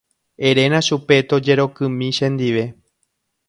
Eréna chupe tojerokymi chendive.